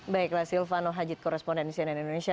baiklah silvano hajit koresponden cnn indonesia